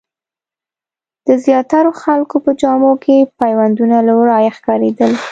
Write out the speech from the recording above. د زیاترو خلکو په جامو کې پیوندونه له ورايه ښکارېدل.